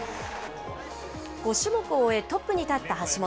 ５種目を終え、トップに立った橋本。